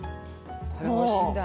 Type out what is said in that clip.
これおいしいんだ。